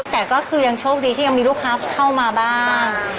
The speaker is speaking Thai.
แต่ก็คือยังโชคดีที่ยังมีลูกค้าเข้ามาบ้าง